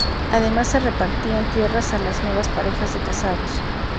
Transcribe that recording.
Además se repartían tierras a las nuevas parejas de casados.